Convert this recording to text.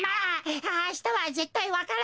あしたはぜったいわか蘭。